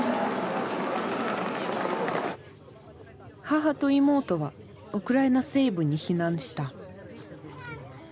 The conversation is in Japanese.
母と妹はウクライナ西部に避難した。